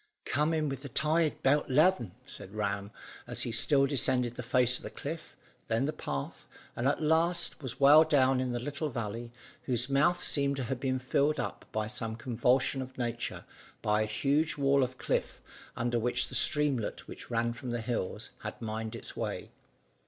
"Come in with the tide 'bout 'leven," said Ram, as he still descended the face of the cliff, then the path, and at last was well down in the little valley, whose mouth seemed to have been filled up in some convulsion of nature by a huge wall of cliff, under which the streamlet which ran from the hills had mined its way.